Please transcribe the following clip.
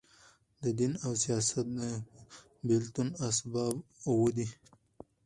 د دین او سیاست د بېلتون اسباب اووه دي.